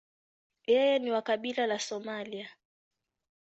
Yeye ni wa kabila la Somalia.